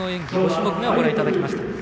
５種目めをご覧いただきました。